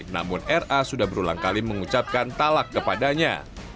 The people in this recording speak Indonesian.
namun ra sudah berulang kali mengucapkan talak kepadanya